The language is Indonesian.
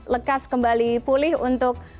lekas kembali pulih untuk